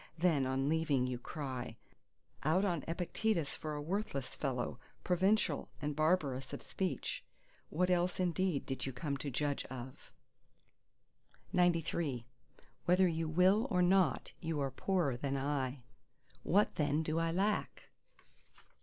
Then on leaving you cry, "Out on Epictetus for a worthless fellow, provincial and barbarous of speech!" What else indeed did you come to judge of? XCIV Whether you will or no, you are poorer than I! "What then do I lack?"